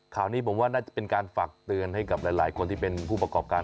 ข่าวนี้ผมว่าน่าจะเป็นการฝากเตือนให้กับหลายคนที่เป็นผู้ประกอบการ